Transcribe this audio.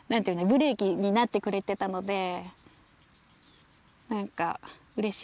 ブレーキになってくれていたのでなんかうれしいですね